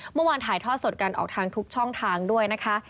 เมื่อวานถ่ายทอดสดการออกทางทุกช่องทางด้วยนะคะ